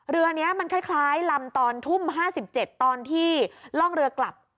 เรือนี้มันคล้ายลำตอนทุ่ม๕๗ตอนที่ล่องเรือกลับ